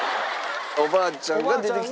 おばあちゃんが出てきて。